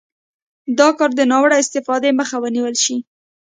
دا کار د ناوړه استفادې مخه ونیول شي.